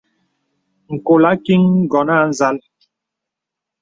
Ǹkɔl àkìŋ ngɔn à nzàl.